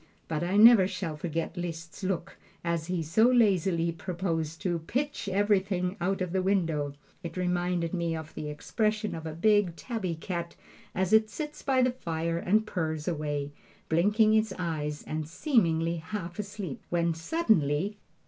But I never shall forget Liszt's look as he so lazily proposed to "pitch everything out of the window." It reminded me of the expression of a big tabby cat as it sits by the fire and purrs away, blinking its eyes and seemingly half asleep, when suddenly